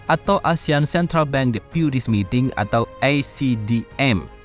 atau asean central bank deputies meeting atau acdm